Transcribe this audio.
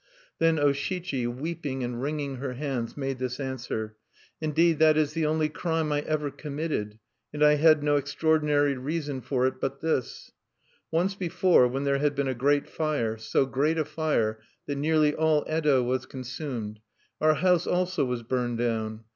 Then O Shichi, weeping and wringing her hands, made this answer: "Indeed, that is the only crime I ever committed; and I had no extraordinary reason for it but this: "Once before, when there had been a great fire, so great a fire that nearly all Yedo was consumed, our house also was burned down.